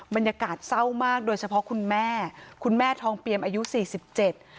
บรรยากาศเศร้ามากโดยเฉพาะคุณแม่คุณแม่ทองเปียมอายุสี่สิบเจ็ด